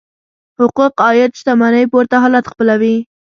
حقوق عاید شتمنۍ پورته حالت خپلوي.